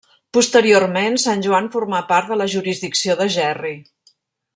Posteriorment, Sant Joan formà part de la jurisdicció de Gerri.